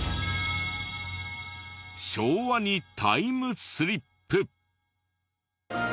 昭和にタイムスリップ！